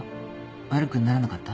悪くならなかった？